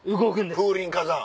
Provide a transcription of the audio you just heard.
風林火山。